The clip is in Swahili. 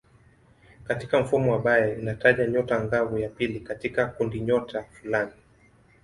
Katika mfumo wa Bayer inataja nyota angavu ya pili katika kundinyota fulani.